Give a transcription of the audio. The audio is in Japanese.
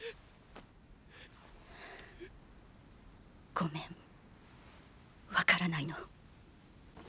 ごめんわからないの。